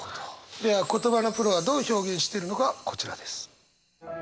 では言葉のプロはどう表現してるのかこちらです。